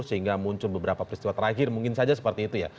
sehingga muncul beberapa peristiwa terakhir mungkin saja seperti itu ya